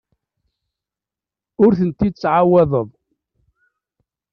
Ur tent-id-ttɛawadeɣ.